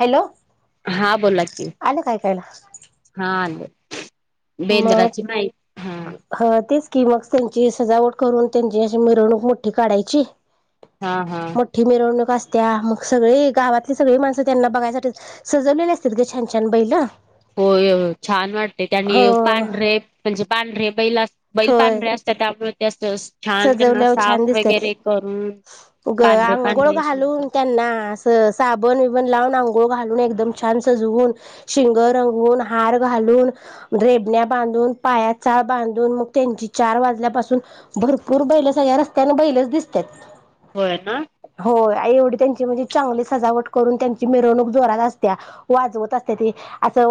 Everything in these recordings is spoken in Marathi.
हॅलो. हा, बोला की. आलं काय कायला हा, आले. मग? ह तेच की मग, त्यांची सजावट करून त्यांची अशी मिरवणूक मोठी काढायची. हा हा. मोठी मिरवणूक असत्या. मग सगळी गावातली सगळी माणसं, त्यांना बघायसाठी सजवलेले असतेत गं छान छान बैलं. होय, छान वाटते. त्यानी पांढरे म्हणजे पांढरे बैल, बैल होय पांढरे अस त्यात आपत्यातस सजवल्यावर छान दिसत्याते, ग पांढरे आंघोळ पांढरे घालून शुभ्र त्यांना स साबण विबण लावून आंघोळ घालून, एकदम छान सजवून शिंगं रंगवून, हार घालून रेबण्या बांधून, पायात चाळ बांधून मग त्यांची चार वाजल्यापासून भरपूर बैलं, सगळ्या रस्त्यानं बैलंच दिसत्यात. होय ना. होय. आ एवढी त्यांची म्हणजे चांगली सजावट करून, त्यांची मिरवणूक जोरात असत्या. वाजवत असत्याते. असं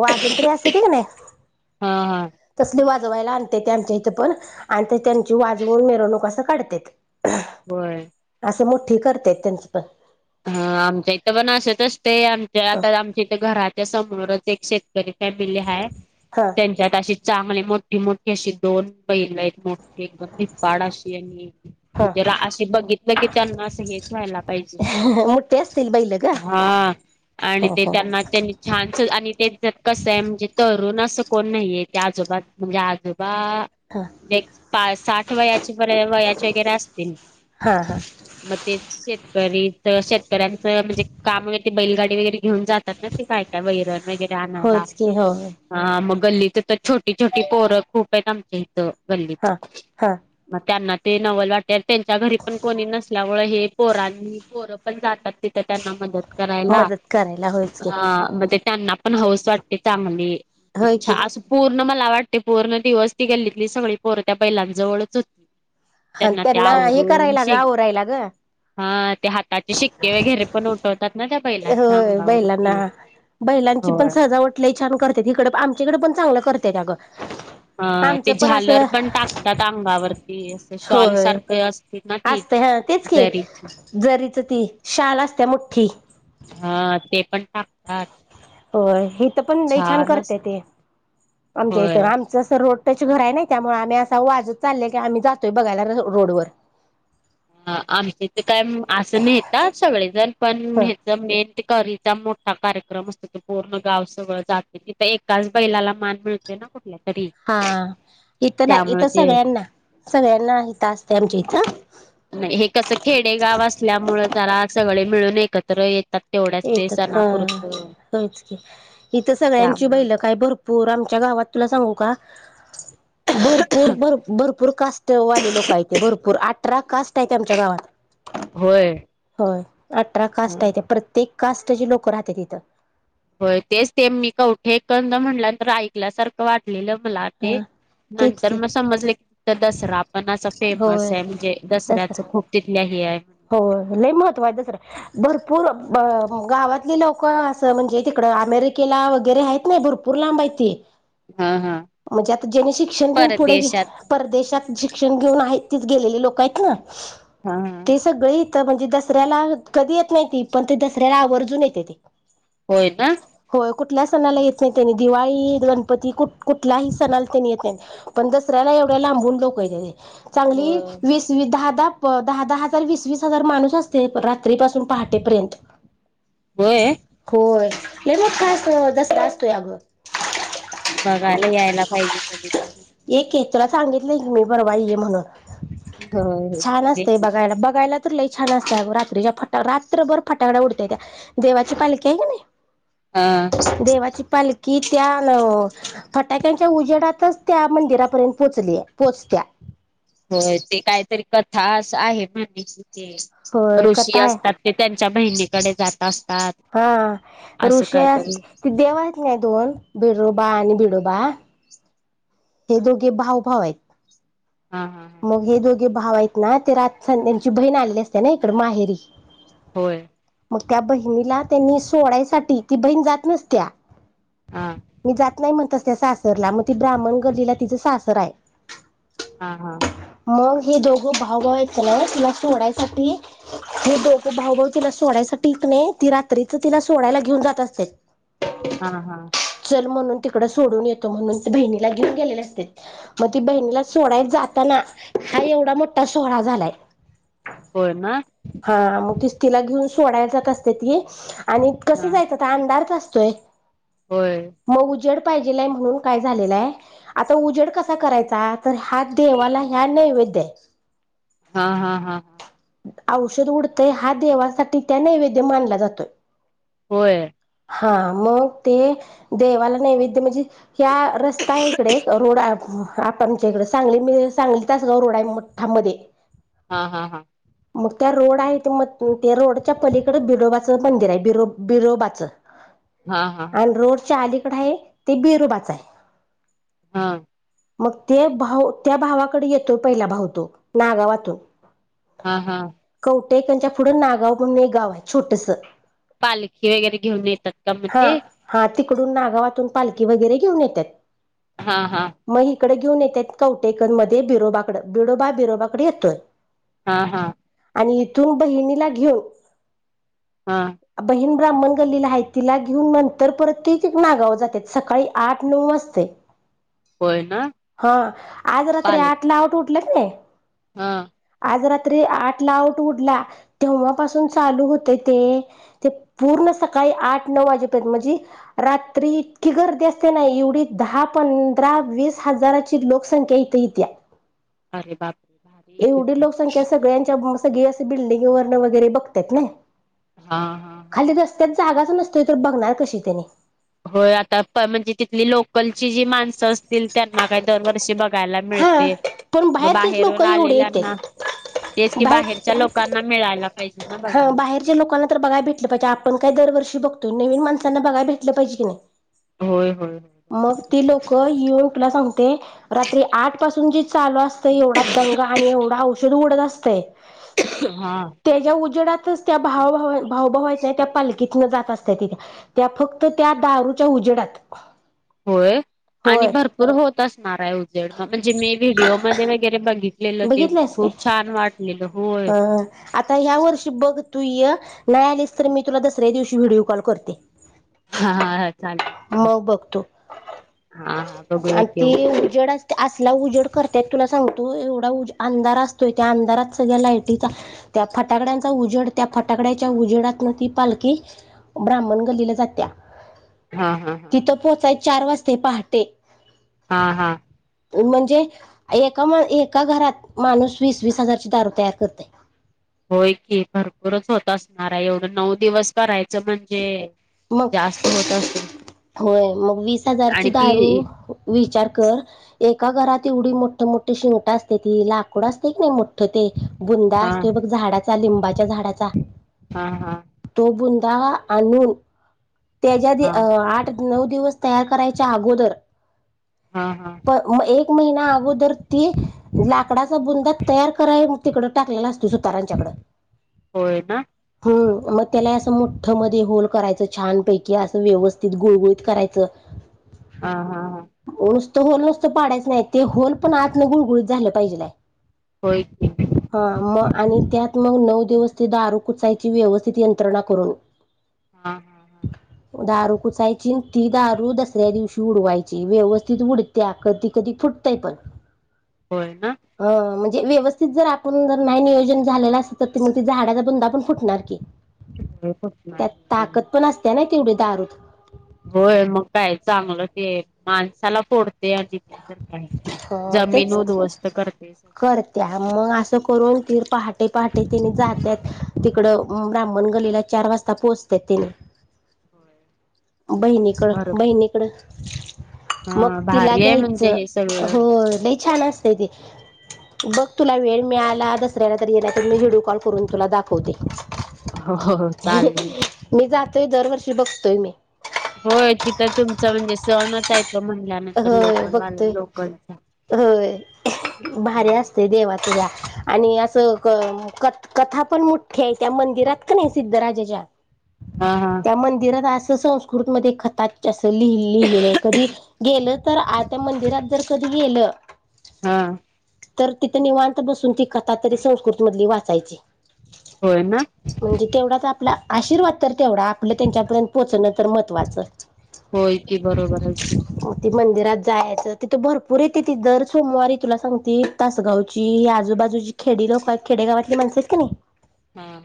वाजंत्री असतेती का नाही, हा हा तसली वाजवायला आण ते आमच्या इथं पण आणि ते त्यांची वाजवून मिरवणूक असं काढतेत. होय. असं मोठी करतेत त्यांचीपण. ह आमच्या इथं पण असंच असते, आमच्या ह आता आमच्या इथं घराच्या समोरच एक शेत घरी काय बिल्ले हाय? हा. त्यांच्यात अशी चांगले मोठी मोठी अशी दोन बैलं आहेत, मोठ्ठी एकदम धिप्पाड अशी आणि हा जरा असे बघितलं की, त्यांना असं हेच व्हायला पाहिजे. मुट ठ्ठे असतील बैलं. हा. आणि ते त्यांना त्यांनी छानच आणि ते जत कसं आहे म्हणजे तरुण असं कोण नाहीये ते आजोबा म्हणजे आजोबा हा एक पा साठ वयाची बर वयाचे वगैरे असतील. हा हा मग ते शेतकरी शेतकऱ्यांचं म्हणजे काम वगैरे ते बैलगाडी वगैरे घेऊन जात ते काय काय वैरण वगैरे आणायला. होयच की हो हा. मग गल्लीत छोटी छोटी पोरं खूप आहेत आमच्या इथ गल्लीत. हा हा मग त्यांना ते नवल वाटेल त्यांच्या घरी पण कोणी नसल्यामुळे हे पोरांनी ण जातात तिथ त्यांना मदत करायला. मदत करायला होयच की मग ते त्यांना पण हौस वाटते त्यामध्ये. होय इच्छा की पूर्ण मला वाटते पूर्ण दिवस ती गल्लीतली सगळी पोर त्या बैलां जवळच हो आणि त्यांना ते हे आवरून करायला ग शे आवरायला ग हा ते हाताचे शिक्के वगैरे पण होतात ना बैलांच्या होय बैलांना‌. अंगावरती बैलांची पण होय. सजावट लई छान करत्यात इकड आमच्याकडे इकडं पण चांगलं करतेय अगं. अ आमचं ते पण झालर असं पण टाकतात अंगावरती असं शॉल सारखं असत असत हा तेच की जरीच ती शाल असते मोठ्ठी. हा ते पण टाकतात. हो‌. हिथ पण ल‌ई छान करते ते आमच्या इथ होय आम असं रोड टच घर हाय नाही त्यामुळे आम्ही असा वाजत चाललंय की आम्ही जातोय बघायला रोडवर. आमच्या तर काय असं नेतात सगळेजण पण ह ह्याच मेन करीचा मो हा कार्यक्रम असतो तो पूर्ण गाव सगळं जाते तिथं एकाच बैलाला मान मिळते ना कुठल्या तरी हा इथं नाही त्यामुळे इथं ते सगळ्यांना‌ सगळ्यांना इथं असते आमच्या इथं‌ नाही हे कसं खेडेगाव असल्यामुळं जरा सगळे मिळून एकत्र येता येतात हा होच की इथं सगळ्यांची बैलं त्यामुळे काय भरपूर पोर आमच्या गावात तुला सांगू का? भरपूर भरपूर कास्टवाले लोक आहेतथे भरपूर आ ट्रा कास्ट आहे ती आमच्या गावात. होय. हो. अठरा कास्ट आहे ते प्रत्येक कास्टची लोक राहत्यात हिथं. हो तेच ते मी कवठे एकंद म्हटल्यानंतर ऐकल्यासारखं वाटलेलं मला. ते हा तेच नंतर की मग समजले की त दसरा. पण अस फेमस होय आहे म्हणजे दसऱ्याच खूप तिथल्या हे आहे. होय. लय महत्त्व आहे दसऱ्या भरपूर गावातली लोक असं म्हणजे तिकड अमेरिकेला वगैरे आहेत नाही भरपू भरपूर लांब आहेती. हा हा म्हणजे आता जेनी शिक्षण घेऊन पुढे गे परदेशात परदेशात शिक्षण घेऊन आहेत तच गेलेले लोक आहेत ना. हा. सगळी इथं म्हणजे दसऱ्याला कधी येत नाही ती पण ती दसऱ्याला आवर्जून येत्या ती. होय ना. हो कुठल्या सणाला येत नाही त्यांनी दिवाळी गणपती कुठ कुठल्याही सणाला त्यांनी येत नाहीत. पण दसऱ्याला एवढ्या लांबून लोक येत्या ती. चांगली होय वीस वस दहा दहा दहा दहा हजार वीस वीस हजार माणूस ते रात्री पासून पहाटेपर्यंत. होय होय. लय मोठा असा दसरा असतोय अगं. बघायला यायला पाहिजे कधी एक हेखतरा सांगितलंय की मी बरोबा ये म्हणून होय छान होय. असतेय बघ बघायला तर लई छान असतता रात्रीच्या फटा रात्रभर फटाकड्या उडतय त्या देवाची पालखी आली हा नाही देवाची पालकी कि त्या न फटाक्यांच्या उजेडातच त्या मंदिरापर्यंत पोचली पोचत्या होय ते काहीतरी कथा अस आहे म्हण ते होय ऋषी कथा आहे असतात ते त्यांच्या बहिणीकडे जात असतात, हा असं ऋषा काहीतरी देवात हायेत नाही दोन बिडोबा आणि बिडोबा ते दोघे भाव भाव आहेत हं हं हं मग हे दोघे भाव आहेत ना ते रात त्यांची बहीण आलेली असते ना इकड माहेरी होय! मग त्या बहिणीला त्यांनी सोडायसाठी ती बहीण जात नसत्या हा मी जात नाही म्हणतस त्या सासरला मग ते ब्राह्मण गलीला तिच सासर आहे. हा हा हा मग हे दोघं भावभाव आहेतच ना तिला सोडायसाठी हे दोघ भाऊ भाऊ तिला सोडायच साठी तीककणे, ती रात्रीच तिला सोडायला घेऊन जात असते. हा हा चल म्हणून तिकड सोडून येतो म्हणून ते बहिणीला घेऊन गेलेले असतेत मग ती बहिणीला सोडाय जाताना हा एवढा मोठा सोहळा झालाय. होय ना हा मग ति तिला घेऊन सोडायला जात असते ती आणि हा कसं जायच ता अंधारात असतोय होय! मग उजेड पाहिजेलाय म्हणून काय झालेलंय, आता उजेड कसा करायचा? तर हात देवाला ह्या नैवेद्यय हा हा हा हा.... औषध उडतें हा देवासाठी त्या नैवेद्य मानला जातोय! होय! हा मग ते देवाला नैवेद्य म्हणजे ह्या रस्ता इकडे रोड आप आमच्या इकड सांगली म सांगली तासगाव रोड आहे मोठा मध्ये हा हा हा मग त्या रोड आहेत मग ते रोडच्या पलीकड बिरोोबाचं मंदिर आहे बिरो बिरोबाचं हा हा हा पण रोडच्या अलीकड आहे ते बिरुबाच आहे हां मग ते भाऊ त्या भावाकडे येतो पहिला भाव तो नागावातून हा हा कवटेकच्या पुढं नागाव म्हणून एक गाव आहे छोटसं पालखी वगैरे घेऊन येतात का मग हा ते हा तिकडून नागावातून पालखी वगैरे घेऊन येत्यात. हा हा मग इकडे घेऊन येतात कवटेकन मध्ये बिरोबाकड बिरोोबा बिरोबाकडे येतोय हा हा आणि इथून बहिणीला घेऊ हा. बहीण ब्राह्मण गल्लीला आहे तिला घेऊन नंतर परत ते नागाव जाते सकाळी आठ नऊ वाजते. होय ना. हा आज रात्री पालखी आठ ला आवट उठलेत नाही. हा. आज रात्री आठ ला आऊट उडला तेव्हापासून चालू होते ते ते पूर्ण सकाळी आठ नऊ वाजेपर्यंत म्हणजे रात्री इतकी गर्दी असते नाही एवढी दहा पंधरा वीस हजाराची लोकसंख्या इथ इेत्या. अरे बापरे भारी की एवढी मग लोकसंख्या सगळ्यांच्या सगळे असं बिल्डिंग वर्ण वगैरे बघत ना. हा. हा हा खाली रस्त्यात जागाच नसतोय तर बघणार कशी त्यानी हो आता म्हणजे तिथली लोकलची जी माणसं असतील त्यांना काय दरवर्षी बघ बघायला हा मिळते पण मग बाहेरचेच लोक बाहेरून एवढे आलेल्यांना येतात तेच की बाहेर बाहेरच्या लोकांना मिळायला पाहिजे ना हा बघायला. बाहेरच्या लोकांना तर बघाय भट पाहिजे आपण काही दरवर्ी बघतो नवीन माणसांना बघाय भेटलं पाजे की नाही. हो हो. मग ती लोक येऊन तुला सांगते. रात्री आठ पासून जी चालू असते एवढा दंग आणि एवढा औषध उडत असत. हा. त्याच्या उजवडातच त्या भावभ भावभावत नाही त्या पालखीतन जात असत तिथे. त्या फक्त त्या दारूच्या उजेडात. होय आणि होय भरपूर होत असणार आहे. उजेड म म्हणजे मी व्हिडिओमध्येध्ये वगैरे बघित. लेलं ते बघितलंस काय खूप छान वाटलेलं हो. आता ह्या वर्षी बघ तू य नाही आलीस तर मी तुला दसऱ्या दिवशी व्हिडिओ कॉल करते. हा हा ह चालेल. मग बघतो हा हा बघूया आणि की ती उजड अस. असला उजेड करतायेत तुला सांगतो एवढा उज अंधार असतोय. त्या अंधारात सगळ्या लायटीचा त्या फटाकड्यांचा उजेड त्या फटाकड्याच्या उजेडात ना ती पालखी ब्राह्मण गल्लीला जात्या. हा हा. हा तिथं पोहोचाय चार वाजते पहटे. हा हा. म्हणजे एका मा एका घरात माणूस वीस वीस हजारची दारू तयार करतय. होय की भरपूरच होत असणार आहे. एवढं नऊ दिवस, करायचं म्हणजे मग जास्त होत असेल. होय मग वीस हजारची आणि ती दार. विचार कर एका घरात एवढी मोठ मोठठीे शिंगट असते. ती लाकूड असते की नाही मोठ. ठ ते बुंदा हा असतोय बघ झाडाचा लिंबाच्या झाडाचा, हा हा तो बुंदा आणून त्याच्या हा आठ, नऊ दिवस तयार करायच्या अगोदर हां हां. पण मग एक महिना अगोदर ती, लाकडाचा बुंदा तयार कराग तिकडं टाकलेला असतो. सुतारांच्याकडं होय ना, हूं मग त्याला असं मोठ ठं मध्ये होल करायचं छानपैकी असं व्यवस्थित गुळगुळीत करायचं हां-हां- हां. नुसतं होल नुसतं पाडायच नाही, ते होल पण आतनं गुळगुळीत झालं पाहिजेलाय. होय की. हा मग आणि त्यात मग नऊ दिवस ते दारू कुचायची व्यवस्थित यंत्रणा करून, हां दारू कुचायचीन, ती दारू दसऱ्या दिवशी उडवायची व्यवस्थित उड, त्या कधी कधी फुटतयं पण, होय ना. अ म्हणजे व्यवस्थित जर आपण जर नाही नियोजन झालेलं असेल तर, ते मग ते झाडाचा बुंदा पण फुटणार की, फुटलंय बघ त्यात ताकदपण असत्या नाई तेवढी दारूत, होय मग काय चांगलं ते माणसाला फोड, ते आणि ते तर काय अ जमीन उध्वस्त करतंय सगळं. त्या मग असं करून तीर पहाटे-पहाटे तेनी जातात तिकडं ब्राह्मण गल्लीला चार वाजता ता पोहचत्यात तेनी. होय. बहिणीकडं भरपूर बहिणीकड मग हा तिला भारी आहे म्हणजे घ्यायचं, हे सगळं होय लई छान असतंय ते. बघ तुला वेळ मिळाला दसऱ्याला तर ये, नाहीतर मी व्हिडिओ कॉल करून तुला दाखवते. हो हो चालेल [unintelligible] मी जातोय दरवर्षी बघतोय मी, होय तिथं तुमचं म्हणजे सणच आहे तो म्हणल्यानंतर होय बघतोय लोकलवाल्या लोकलचा होय भारी असतंय देवाचं या. आणि असं क कथा पण मोठ्ठी आहे त्या मंदिरात का नाही सिद्धराजाच्या, हा हा त्या मंदिरात असं संस्कृतमध्ये खताच्यां असं लिहि लिहिलेलं आहे कधी, ऐकलं तर आ मंदिरात जर कधी गेलं, हां. तर तितं निवांत बसून ती कथा तरी संस्कृत मधली वाचायची, होय ना, म्हणजे तेवढाच आपला आशीर्वाद तर तेवढा आपलं त्यांच्यापर्यंत पोहोचणं तर महत्त्वाचं, होय की बरोबर आहे की, ती मंदिरात जायचं तिथं भरपूर येत्याती दर सोमवारी तुला सांगती तासगावची ही आजूबाजूची खेडी लोकं आहेत, खेडेगावातले माणसं आहेत का नाही हां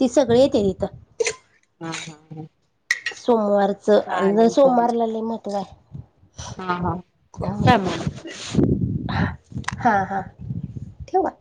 ती सगळी येत्यात हिथं. हां.. हां सोमवारचं आणि जर चालेल सोमवारला लई महत्व आहे. हां हां हां हां ठेऊ का?